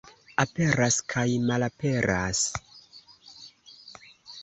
Aperas kaj malaperas.